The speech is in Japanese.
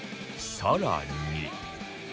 更に